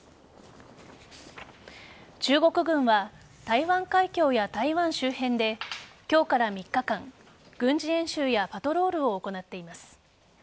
中国軍は台湾海峡や台湾周辺で今日から３日間、軍事演習やパトロールを行っています。